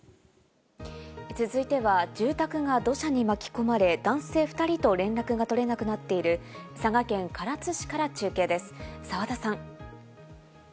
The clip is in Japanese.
続いては住宅が土砂に巻き込まれ、男性２人と連絡が取れなくなっている佐賀県唐津市から中継です、澤田さん。